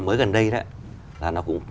mới gần đây đó là nó cũng